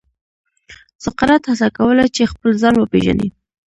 سقراط هڅه کوله چې خپل ځان وپېژني.